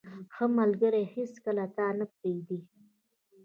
• ښه ملګری هیڅکله تا نه پرېږدي.